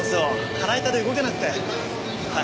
腹痛で動けなくてはい。